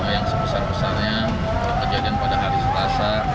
yang sebesar besarnya kejadian pada hari selasa